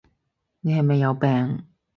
我係咪有咩病？